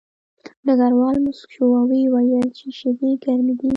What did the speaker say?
ډګروال موسک شو او ویې ویل چې شیدې ګرمې دي